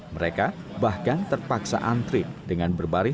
mereka bahkan terpaksa antri dengan berbaris